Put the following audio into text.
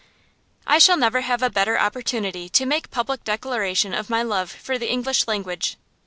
I shall never have a better opportunity to make public declaration of my love for the English language.